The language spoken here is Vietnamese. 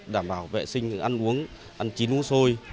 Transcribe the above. đảm bảo vệ sinh ăn uống ăn chín uống sôi